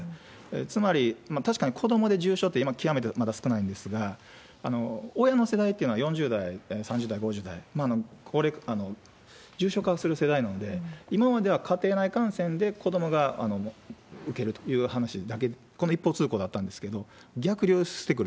つまり確かに子どもで重症って極めてまだ少ないんですが、親の世代というのは４０代、３０代、５０代、重症化をする世代なので、今までは家庭内感染で子どもが受けるという話だけ、この一方通行だったんですけれども、逆流してくる。